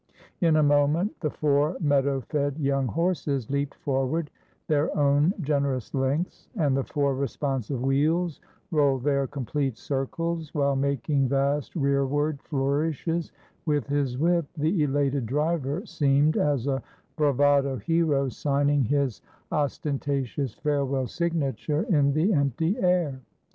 In a moment, the four meadow fed young horses leaped forward their own generous lengths, and the four responsive wheels rolled their complete circles; while making vast rearward flourishes with his whip, the elated driver seemed as a bravado hero signing his ostentatious farewell signature in the empty air.